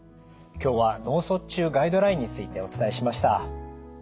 今日は脳卒中ガイドラインについてお伝えしました。